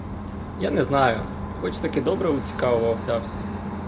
Я не знаю, хоч таки добре у цікавого вдався.